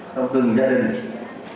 trong từng gia đình